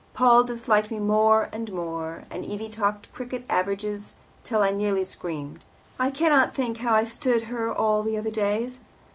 Paul disliked me more and more, and Evie talked cricket averages till I nearly screamed. I cannot think how I stood her all the other days.